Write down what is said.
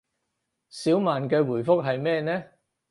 小曼嘅回覆係咩呢